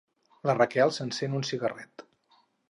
La Raquel s'encén un cigarret.